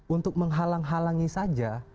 untuk menghalang halangi saja